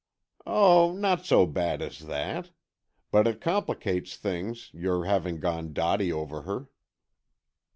"Oh, not so bad as that. But it complicates things, your having gone dotty over her."